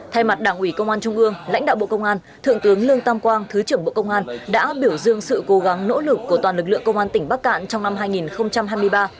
thay mặt đảng ủy công an trung ương lãnh đạo bộ công an thượng tướng lương tam quang thứ trưởng bộ công an đã biểu dương sự cố gắng nỗ lực của toàn lực lượng công an tỉnh bắc cạn trong năm hai nghìn hai mươi ba